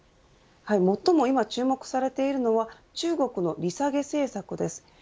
最も今、注目されているのは中国の利下げ政策です。